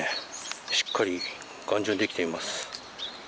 しっかり頑丈にできています。